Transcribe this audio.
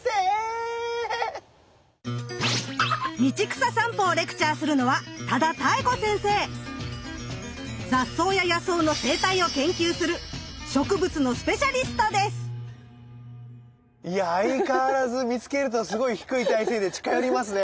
道草さんぽをレクチャーするのは雑草や野草の生態を研究する相変わらず見つけるとすごい低い体勢で近寄りますね。